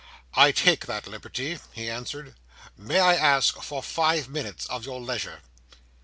"I take that liberty," he answered. "May I ask for five minutes of your leisure?"